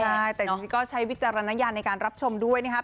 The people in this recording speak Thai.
ใช่แต่จริงก็ใช้วิจารณญาณในการรับชมด้วยนะครับ